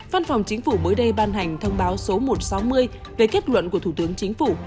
văn phòng chính phủ mới đây ban hành thông báo số một trăm sáu mươi về kết luận của thủ tướng chính phủ